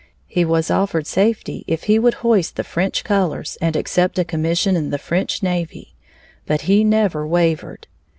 He was offered safety if he would hoist the French colors and accept a commission in the French navy, but he never wavered.